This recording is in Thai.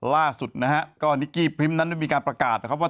ล่าสุดนะฮะก็นิกกี้พริมนั้นได้มีการประกาศนะครับว่า